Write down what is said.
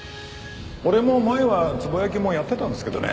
俺も前はつぼ焼きもやってたんですけどね。